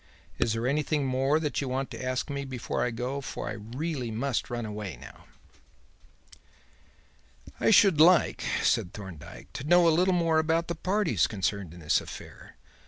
Is there anything more that you want to ask me before I go, for I must really run away now?" "I should like," said Thorndyke, "to know a little more about the parties concerned in this affair.